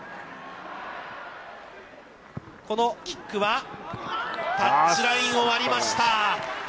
このキックはタッチラインを割りました。